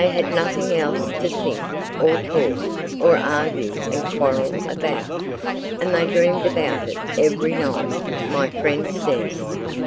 They had nothing else to think, or talk, or argue and quarrel about; and they dreamed about it every night, my friend says.